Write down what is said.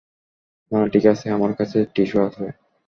না, ঠিক আছে, আমার কাছে টিস্যু আছে।